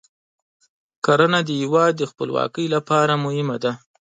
کرنه د هیواد د خپلواکۍ لپاره مهمه ده.